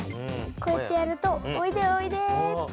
こうやってやるとおいでおいで。